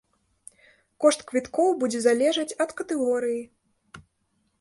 Кошт квіткоў будзе залежаць ад катэгорыі.